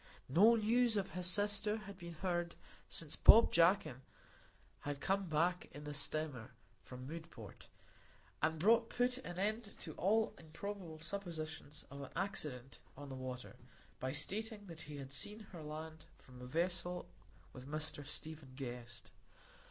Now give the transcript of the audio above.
No news of his sister had been heard since Bob Jakin had come back in the steamer from Mudport, and put an end to all improbable suppositions of an accident on the water by stating that he had seen her land from a vessel with Mr Stephen Guest.